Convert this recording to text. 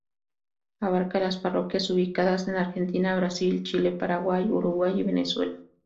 Abarca las parroquias ubicadas en Argentina, Brasil, Chile, Paraguay, Uruguay y Venezuela.